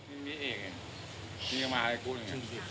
นี่เองมีข้าวมากับกูอย่างนั้น